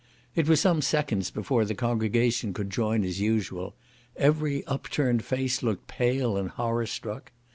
It was some seconds before the congregation could join as usual; every upturned face looked pale and horror struck.